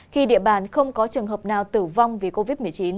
khi địa bàn không có trường hợp nào tử vong vì covid một mươi chín